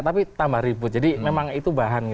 tapi tambah ribut jadi memang itu bahan